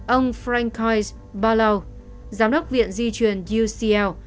ông frank heuss ballau giám đốc viện di truyền ucl